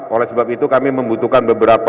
oleh sebab itu kami membutuhkan beberapa